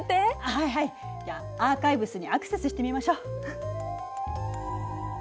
はいはいじゃあアーカイブスにアクセスしてみましょう。